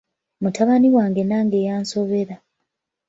Mutabani wange nange yansobera.